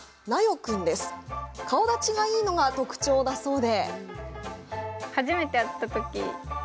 顔だちがいいのが特徴のようで。